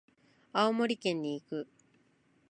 青森県に行く。